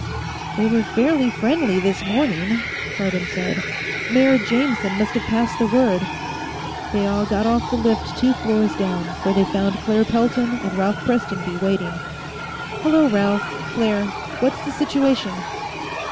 "They were fairly friendly this morning," Cardon said. "Mayor Jameson must have passed the word." They all got off the lift two floors down, where they found Claire Pelton and Ralph Prestonby waiting. "Hello, Ralph. Claire. What's the situation?"